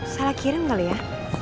salah kirim kali ya